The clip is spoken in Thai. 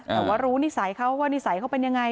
แต่ว่ารู้นิสัยเขาว่านิสัยเขาเป็นยังไง